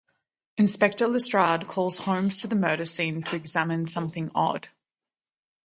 Inspector Lestrade calls Holmes to the murder scene to examine something odd.